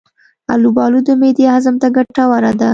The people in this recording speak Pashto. البالو د معدې هضم ته ګټوره ده.